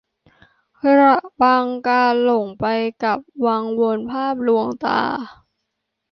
ระวังการหลงไปกับวังวนภาพลวงตา